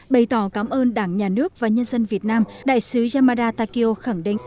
bày tỏ cảm ơn đảng nhà nước và nhân dân việt nam đại sứ yamada takeo khẳng định